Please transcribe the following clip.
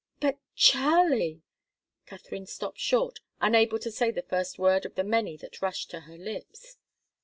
"But, Charlie " Katharine stopped short, unable to say the first word of the many that rushed to her lips.